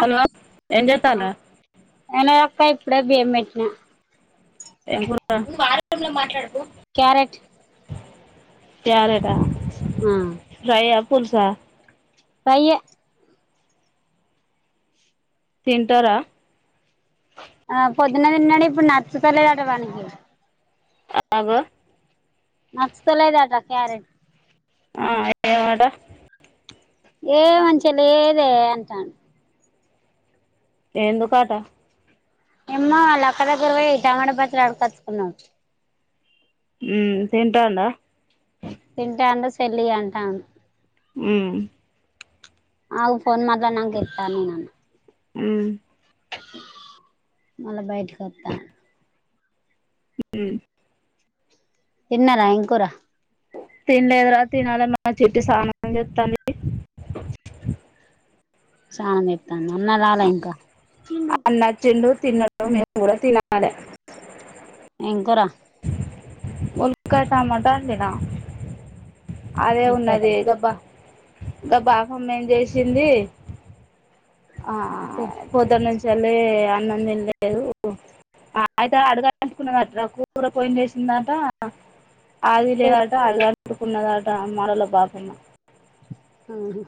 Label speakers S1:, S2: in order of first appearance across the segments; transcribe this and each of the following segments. S1: Hello ఏం జెత్తనావ్
S2: అక్క ఇప్పుడే బియ్యం పెట్న
S1: ఏమో రా నువ్వు ఆ రూమ్ లో మాట్లాడకు
S2: క్యారెట్
S1: క్యారేట
S2: ఆ
S1: ఫ్రైయా పుల్స
S2: ఫ్రైయే
S1: తింటార
S2: ఆ పొద్దున తిన్నడి ఇప్పుడు నచ్చతలేదట వానికి
S1: అబ
S2: నచ్చతలేదట క్యారెట్
S1: ఆ ఏమట
S2: ఏ మంచి లేదే అంటాను
S1: ఎందుకంట
S2: ఏమ్మో వాలక్క దగ్గరకి పోయి టమోటా పచ్చడి అడకచ్చుకున్నాడు
S1: ఉ తింటాండ
S2: తింటాండు సెల్లు ఇయ్యి అంటా
S1: ఉ
S2: ఆ ఫోన్ మళ్ళా నాకు ఇతాను నన్న
S1: ఉమ్
S2: మళ్ళా బయటికి వత్త
S1: ఉ
S2: తిన్నార ఏం కూర
S1: తినలేదురా తినాలి మా చెట్టి సానంగా చెప్తాంది
S2: చానా చెప్తాను అన్న రాలా ఇంకా
S1: తినద్దు నేను కూడా తినాలే
S2: ఏం కూర
S1: వంకాయ టమాటా వండిన అదే
S2: ఉప్పేట
S1: ఉన్నది గబ్బా ఇంకా బాగమ్మేం చేసింది ఆ పొద్దు నుంచి సర్లే అన్నం దినలేదు అయితే అడగానుకున్నది నాకు కూర పోయి వేసిందట ఆది లేదట అది అడుకున్నదాట అమ్ మాటల బాపన్న
S2: ఆహా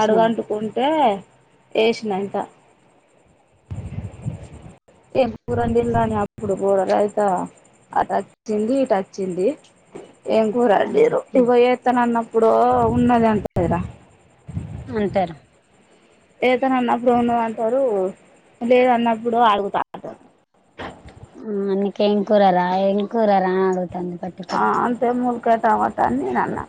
S1: అడుగంటుకుంటే వేసినంట ఇప్పుడు వండిందని అప్పుడు కూడ అయిత అటు వచ్చింది ఇటు వచ్చింది ఏం
S2: ఆ
S1: కూరడిరు
S2: తిను
S1: ఇవ ఏతన అన్నప్పుడు ఉన్నది అంట కదా
S2: అంటరు
S1: ఏతను అన్నప్పుడు ఉన్నా అంటారు లేదన్నప్పుడు అడుగుతాంట
S2: ఆ అందుకేం కూర రా ఏం కూర రా అని అడుగుతుంది పట్టి పట్టి
S1: కో టమాట అని నేనన్నా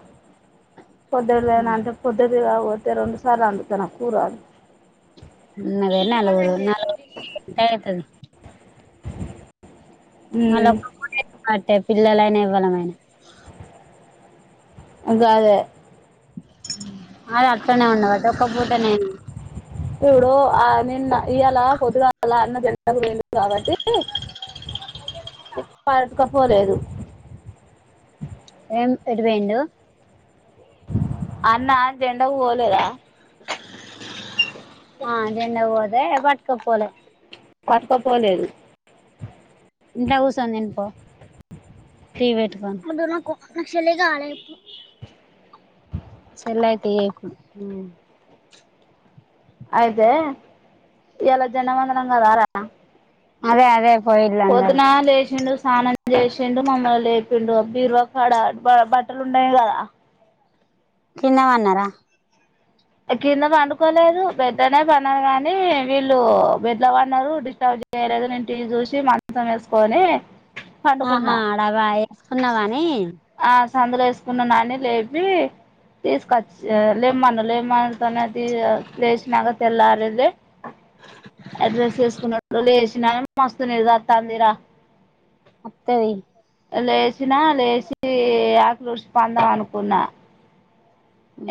S1: పొద్దులే అంటే పొద్దు ఇలా వద్దు రెండు సార్లు వండుతున కూర
S2: ఉ అదే నలగురు [inaudible] అయితది మళ్ళ అట్టే పిల్లలైనా ఇవ్వమనా
S1: గదే
S2: అది అట్నే ఉండవాటి ఒక పూటనే
S1: ఇప్పుడు ఆ నిన్న ఇయ్యాల పొద్గాల అన్నది ఆ వెళ్లు కాబట్టి పరటుకపోలేదు
S2: ఏం ఎటువెండు
S1: అన్నా జెండకు పోలేదా
S2: ఆ జెండ పోతే పట్కపోలే
S1: పటుకపోలేదు.
S2: ఇంట్ల, కుసోని తినుపో టీవేటుకో వొద్దు, నాకు సెలెకావాలి. సెల్ అయితే ఏకు మ్
S1: అయితే ఇయ్యాలా, జెండా వందనం గదార
S2: అదే అదే పోయిళ్ళు అందరూ
S1: పొద్దునా లేషిండు. స్నానం చేసిండు, మమ్మల్ని లేపిండు, బీరువా కాడ బట్టలు ఉన్నాయి. కదా!
S2: కింద పన్నారా?
S1: కింద పండుకోలేదు. బెడ్డనే పనరు కాగానీ, వీళ్ళు బెడ్లపన్నారు. డిస్టబ్ ఎరజ ఇంటి చూసి, మంచం వేసుకొని.
S2: ఆహా
S1: పండుకున్నా
S2: అడబా ఎసుకున్నావని.
S1: అసందుల ఎసుకున్నాడే, లేపి తీసుకొచ్చ లెమ్మనా లె మంచ మీది లేసినాక తెల్లారింది. అడ్రస్ ఎసుకున్నపడు లేసిన గాని, మస్తునిద్రస్తుందిరా.
S2: అత్తది
S1: లేచినా లేచి, ఆకీలుడ్చి పందాం అనుకున్నా.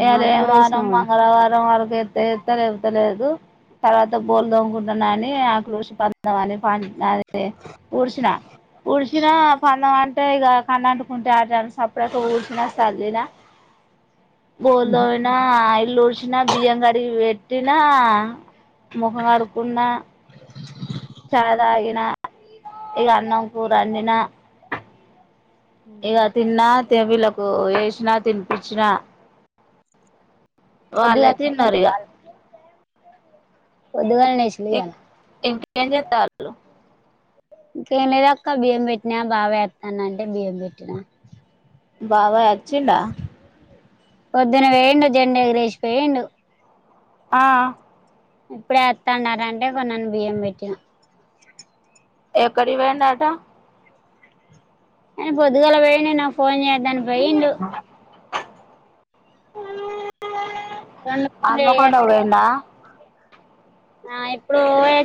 S1: ఇయ్యాల
S2: వాళ్ళకి
S1: ఏ
S2: కూడా
S1: వారం
S2: వేసినావుగా
S1: మంగళవారం వ లేస్త లేస్త లేకపోతే లేదు తర్వాత బోల్దమ్ముకుంటున్నాని, ఆకీలుడషి పందాం అని అ ఉడిచిన, ఉడిచిన పందవా అట్ట ఇ కన్నా అంటుకుంటే, ఆట సప్పుడ అయితే ఉడ్చిన్న సలినా బోలుదోమినా, ఇల్లు ఊడ్షినా, బియ్యం కడిగి పెట్టి. పెట్టినా, ముఖం ఆడుకున్నా. చాయ్ తాగిన, ఇగా అన్నంకూర, వొండ్డినా. ఇగా, తిన్నా, చిన్నా పిల్లకు ఎసినా, తినిపిచ్చినా. వాళ్ళే
S2: పొద్దుగాల
S1: తిన్నర్
S2: వచ్చింది
S1: ఇగా
S2: పొద్దుగాల్నే, లేషిదిఇయ్యలా.
S1: ఎజేతాలు
S2: ఇంకే లేదక్క, బియ్యం పెట్టినా, బాబ్ అస్తానంటే బియ్యం పెట్టినా.
S1: బాబ్ అచ్చినడా?
S2: పొద్దున వేయండు, జెండా ఎగరేసి పోయుండు.
S1: ఆ
S2: ఇప్పుడే అస్తన్నార అంటే, కొన్నాని బియ్యం పెట్టినా.
S1: ఎక్కడి వేయండటా?
S2: నేను పొద్దుగాల పోయి, నాకు ఫోన్ చేయోద్దని పోయిండు.
S1: కూ కూ
S2: రెండు ఫోన్లు
S1: హనుమకొండ
S2: చేయేత్తాడు
S1: పోయిండా?
S2: ఆ ఇప్పుడు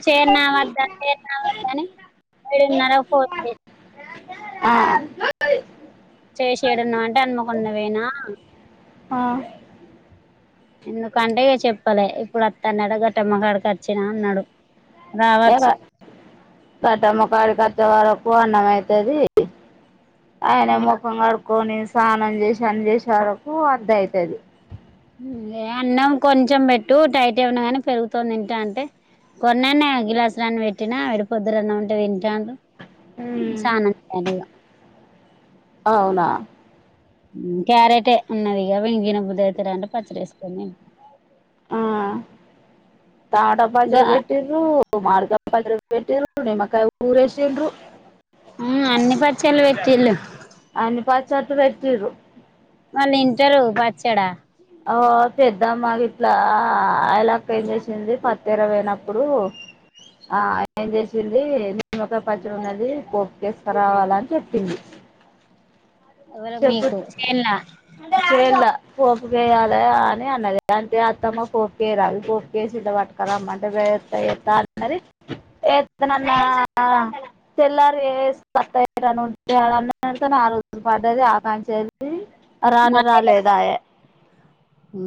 S2: చేయనా వద్దా, చేయనా వద్ద అని ఏడున్నర పొంది.
S1: ఆ
S2: చేసిండు. ఎడున్నావ్ అంటే, అనుమకొండ కిపోయిన
S1: ఆ
S2: ఎందుకంటే చెప్పలె, ఇప్పుడు అత్తన్నాడ కట్టమ్మ కాడకి వచ్చిన అన్నాడు. రావచ్చు
S1: కట్టమ్మ కాడి వచ్చే వరకు, అన్నం అయితది. ఆయన ముఖం కడుకొని, స్నానం చేసి అన్ని చేసే వరకు అర్థ అయితది.
S2: ఎ అన్నం కొంచెం పెట్టు, టైట్ ఉన్నా గానీ, పెరుగుతోని తింటా అంటే. కొన్నానే గిలాసు అన్నన్ని పెట్టినా, పొద్దునఅన్నమ్ ఉంటే తింటాడు.
S1: ఉమ్
S2: సాన్నంకు పోయినడు ఇగా
S1: అవునా!
S2: క్యారెట్ ఉన్నది. ఇగా ఎమ్ తినబుద్దవుతలె, అంటే పచ్చడిసుకొని తిన్
S1: ఆ టమాటా పచ్చడి పెట్టిర్రు ఓ మామిడికాయ పచ్చడి పెట్టిర్రు నిమ్మకాయ ఉప్పు ఊరేసిర్రు
S2: హు అన్ని పచ్చళ్ళు పెట్టిల్లు
S1: అన్ని పచ్చట్లు పెట్టిర్రు
S2: వాళ్లు తింటారు పచ్చడి
S1: ఓ పెద్దమ్మ గిట్ల ఐల అక్క ఏం చేసింది పత్తి ఏరా పోయినప్పుడు ఆ ఏం చేసింది నిమ్మకాయ పచ్చడి ఉన్నది పోపుకు ఏస్కరావాలే అని చెప్పింది
S2: ఎవరో
S1: చెప్పు
S2: మీకు చేల్ల
S1: చేయాల పోపు వేయాలి అని అన్నది అంటే అత్తమ్మ పోపుకేయ్య రాదు పోపు కేసి ఇంత పట్టుకరమ్మంటే ఎత్త ఎత్త అన్నది ఎత్తా నన్న ఆ తెల్లారే [unintelligible] ఆరోజు పడ్డది ఆకాం చెల్లి రానే రాలేదు ఆ ఆయే
S2: హు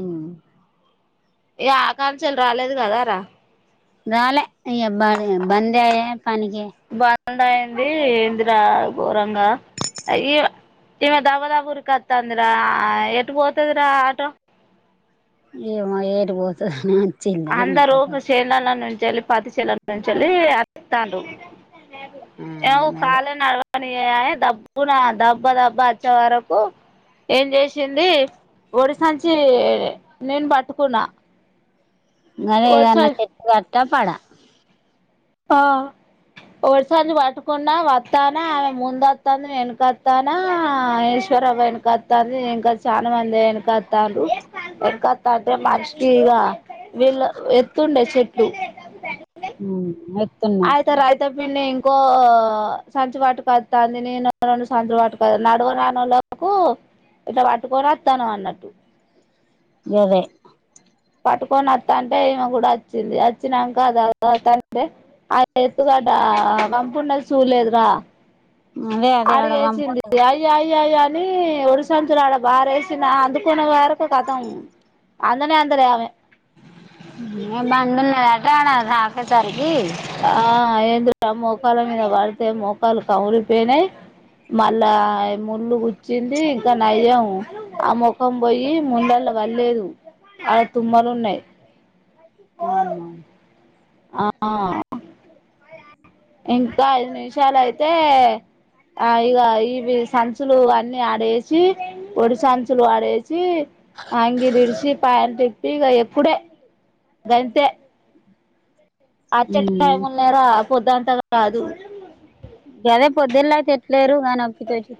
S1: ఇగ ఆ ఖాన్ చెల్లి రాలేదు కదా రా
S2: రాలే ఇగ బా బందే ఆయే పనినికి
S1: డా ఏంది ఏందిరా ఘోరంగా అయి ఇగ దబ్బా దాబ్బా ఊరుకొత్తంది రా ఎటు పోతది రా ఆటో
S2: ఏమో ఎటు ఎటు పోతదో నే
S1: అందరూ చేనులనే ఉం వెళ్ పత్తి చెల్లల నుంచి వత్తాళ్ళు
S2: ఆ
S1: ఈమెకు
S2: గదే
S1: కాలే నడవ పని అయ్యాయి దబ్బున దాబ్బ దాబ్బా వచ్చే వరకు ఏం చేసింది ఒడి సంచి నేను పట్టుకున్నా
S2: గాదే
S1: ఒడి
S2: ఏదన్నా
S1: సం
S2: చెట్టు తట్టా పడ
S1: ఆహ ఓడి సంచి పట్టుకున్నా వత్తాన ఆమె ముందు అత్తంది నేను ఎనుక వత్తనా ఆ వేరే ఆమె ఎనుక వత్తాది ఇంకా చాలా మంది వెనుక వత్తారు వెన్ తాటే మనిషకి ఈగ వీళ్ళ ఎత్తుండే చెట్లు
S2: ఉహు ఎత్తు
S1: ఆయతారయతే త పిన్ని ఇంకో సంచి పట్టుకొత్తంది నేను రెండు సంచులు పట్టుకో నడవ రానోళ్లు కు ఇట్లా పట్టుకోని ఒత్తనము అన్నట్టు
S2: గాదే
S1: పట్టుకొని వత్తంటే ఈమె కూడా వచ్చింది వచ్చినంక దబ్బ దబ్బ వత్తాంటే ఆడ ఎత్తుగడ్డ ఆడ పంపున్నది చూడలేదు రా
S2: అదే అదే ఆడ
S1: అడుగు
S2: పంప
S1: వేసింది అయ్యా అయ్యా అయ్యో అయ్యో అని ఒడి సంచులు ఆడ పారేసింది అందుకునే వరకు కథం అందనే అందలే ఆమె
S2: ఉహు ఎం బందు ఉన్నదట [unintelligible]
S1: ఆ ఏంది రా మోకాళ్ళ మీద పడితే మోకాళ్లు కమిలిపోయినయ్ మళ్ళా ముళ్ళు గుచ్చింది ఇంకా నయ్యం ఆ ముఖం పోయి ముల్లల అల్ల పల్లేదు ఆడ తుమ్మలు ఉన్నాయి
S2: అవునా
S1: ఆహ ఇంకా ఐదు నిమిషాలు అయితే ఆ ఇగ ఇవి సంచులు అన్ని ఆడేసి ఒడి సంచులు ఆడేసి సి అంగిలిడిసి పాయింట్ ఇప్పి ఇగ ఎక్కు డే గంతే వచ్చే
S2: ఉమ్
S1: టైముల్ లే రా పొద్దంతా గదు
S2: గాదే పొద్దున్న అయితే ఎట్లేరు గా నొప్పితోటి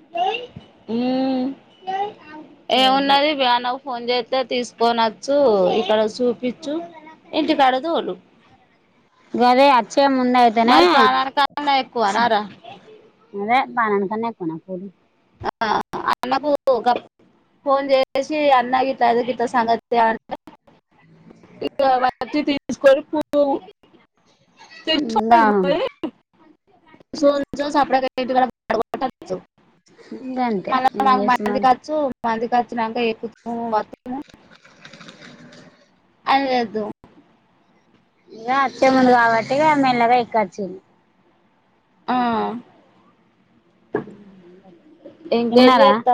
S1: ఉహు
S2: ఏరబో
S1: ఏమున్నది ప్రణవ్ ఫోన్ చేస్తే తీసుకొని వచ్చు ఇక్కడ చూపించు ఇంటికాడ తోలు
S2: గదే అచ్చే ముందు అయితనే
S1: మరి ప్రాణానికన్నా ఎక్కువనారా
S2: అదే పాణనికన్నా ఏకోనా ఫోను
S1: ఆ అన్న గాప్ ఫోన్ చేసి అన్నా గిట్ల అయింది గిట్ల సంగతి అని ఇగా వచ్చి తీసుకొనిపోవు
S2: ఇంగా
S1: తీసుకొని పోయి సోనీ అచ్చినాకా సపరేక ఆయి ఇంటికాడ పాడగొటి అచ్చు
S2: గంతే ఏం
S1: మళ్ళా మా
S2: చేస్తు మరి
S1: ఇంటికి అచ్చు మాఇంటికాచినక ఏకుతును వత్తును అదిఅదు
S2: ఎ వచ్చేముందు కాబట్టి మెల్లగా ఎక్కొచ్చింది
S1: ఆ ఇంకేం
S2: ఇన్నార
S1: చేస్తా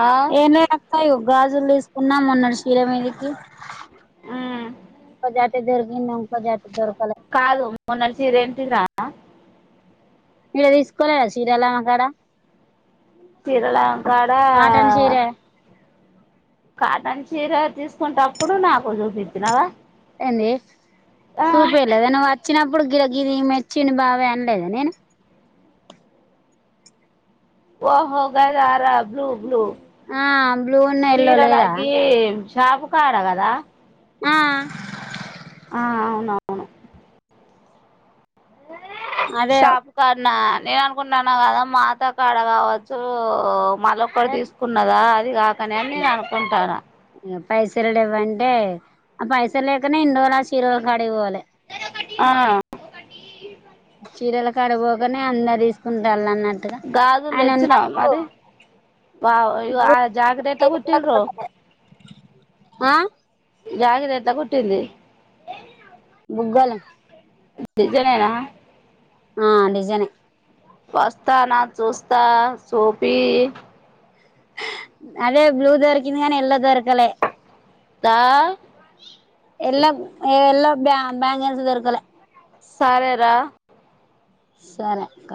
S1: ఆ,
S2: ఎ లే అక్క గాజులు తీసుకున్నా మొన్నటి చీర మీదకి
S1: ఉమ్,
S2: [unintelligible]
S1: కాదు మొన్నటి చీర ఏంటిది రా
S2: మొన్న తీసుకోలేదా చీర [unintelligible]
S1: తీరాళం కాడ
S2: చీర
S1: కటన్ చీర తీసుకుంటప్పుడు నాక్
S2: ఏంది
S1: ఆ,
S2: చూపియలేదా నువ్వు వచ్చినప్పుడు ఇగో గిది మెచ్చిండు బాబాయ్ అన్లేదా నేను
S1: ఓహో గదార అరా బ్లూ బ్లూ
S2: ఆ బ్లూ ఉన్న ఎల్లో లేదా
S1: చీరాలగ్గి షాప్కాడ కాదా
S2: ఆ
S1: ఆ అవునవును
S2: అదే
S1: షాపు కన్నా నేను అనుకుంటున్న గాదా మాతో కాడ కావచ్చు మళ్ళాకటి తీసుకున్నదా అది కాక కనే నేను అనుకుంటున్న
S2: పైసలే లేవంటే ఆ పైసలు లేకనే ఇన్నిరోజుల్ చీరాల కాడికి పోలే
S1: ఆ
S2: చీరలు కాడికి పోకనే అందరు తీసుకుంటలూ అన్నట్లు
S1: గాజలు తెచ్చిన మరి వా ఇగా ఆ జాకీటి ఎట్లా కూటిరో
S2: ఆ
S1: జాకీటి ఎట్లా కూటింది
S2: బుగ్గలు
S1: డిజనేనా
S2: ఆ డిజనే
S1: వస్తనా చూస్త చూపియ్
S2: అదే బ్లూ దొరికింది కాని యెల్లో దొరకలే
S1: దా
S2: యెల్లో యెల్లో బా బ్యాంగిల్స్ దొరకలే
S1: సరే రా
S2: సరే అక్క